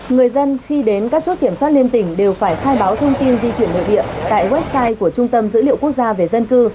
người dân khi đến các chốt kiểm soát liên tỉnh đều phải khai báo thông tin di chuyển nội địa tại website của trung tâm dữ liệu quốc gia về dân cư